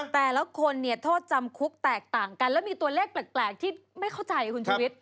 แต่ละคนเนี่ยโทษจำคุกแตกต่างกันแล้วมีตัวเลขแปลกที่ไม่เข้าใจคุณชุวิต